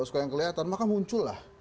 suka yang kelihatan maka muncul lah